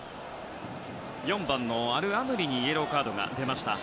４番のアルアムリにイエローカードが出ました。